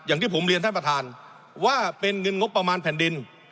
อย่างที่ผมเรียนท่านประธานว่าเป็นเงินงบประมาณแผ่นดิน